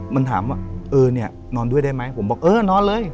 มันถามว่าเออเนี่ยนอนด้วยได้ไหมผมบอกเออนอนเลย